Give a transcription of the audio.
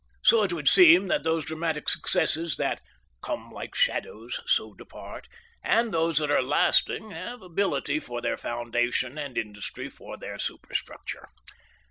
So it would seem that those dramatic successes that "come like shadows, so depart," and those that are lasting, have ability for their foundation and industry for their superstructure.